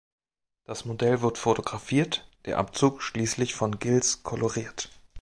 Das Modell wird fotografiert, der Abzug schließlich von Gilles koloriert.